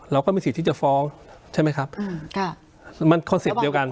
เราก็มีสิทธิ์ที่จะฟ้องใช่ไหมครับอืมค่ะมันคอนเซ็ปต์เดียวกัน